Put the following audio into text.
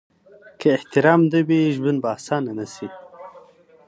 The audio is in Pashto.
که احترام نه وي، ژوند به اسانه نسي.